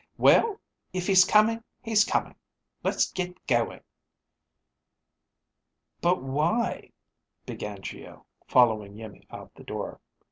"Well, if he's coming, he's coming. Let's get going." "But why...?" began Geo, following Iimmi out the door.